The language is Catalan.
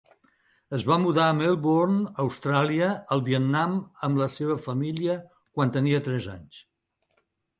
Es va mudar a Melbourne, Austràlia, al Vietnam amb la seva família quan tenia tres anys.